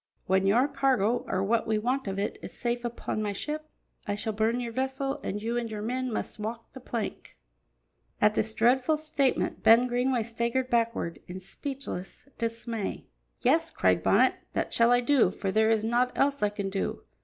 When your cargo, or what we want of it, is safe upon my ship, I shall burn your vessel, and you and your men must walk the plank." At this dreadful statement, Ben Greenway staggered backward in speechless dismay. "Yes," cried Bonnet, "that shall I do, for there is naught else I can do.